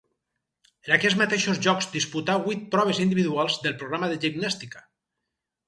En aquests mateixos Jocs disputà vuit proves individuals del programa de gimnàstica.